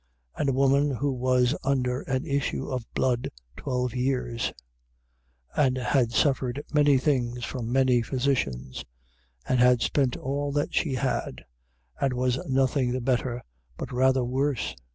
5:25. And a woman who was under an issue of blood twelve years, 5:26. And had suffered many things from many physicians; and had spent all that she had, and was nothing the better, but rather worse, 5:27.